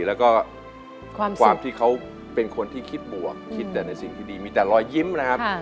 แล้วก็ความที่เขาเป็นคนที่คิดบวกคิดแต่ในสิ่งที่ดีมีแต่รอยยิ้มนะครับ